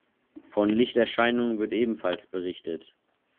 Von Lichterscheinungen wird ebenfalls berichtet.